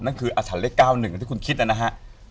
นั่นคืออัฐัลเลข๙๑ถ้าคุณคิดนะฮะ